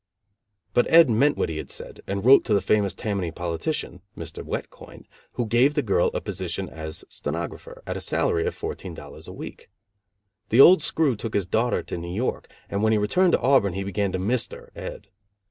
But Ed meant what he had said, and wrote to the famous Tammany politician, Mr. Wet Coin, who gave the girl a position as stenographer at a salary of fourteen dollars a week. The old screw took his daughter to New York, and when he returned to Auburn he began to "Mister" Ed.